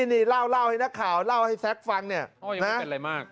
นี่เล่าให้นักข่าวเล่าให้แซ็กฟังเนี่ยนะเป็นอะไรมาก